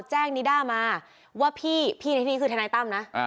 แจ้งนิด้ามาว่าพี่พี่ในนี้คือฐตั้มนะ